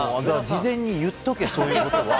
事前に言っとけ、そういうことは。